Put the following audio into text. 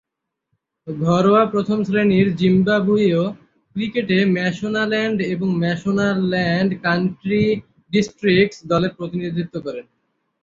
ঘরোয়া প্রথম-শ্রেণীর জিম্বাবুয়ীয় ক্রিকেটে ম্যাশোনাল্যান্ড এবং ম্যাশোনাল্যান্ড কান্ট্রি ডিস্ট্রিক্টস দলের প্রতিনিধিত্ব করেন।